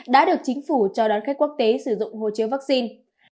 đã được chính phủ cho đón khách quốc tế sử dụng hộ chiếu vắc xin